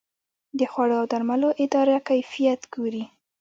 د خوړو او درملو اداره کیفیت ګوري